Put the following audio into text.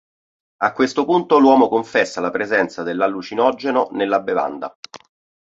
A questo punto l'uomo confessa la presenza dell'allucinogeno nella bevanda.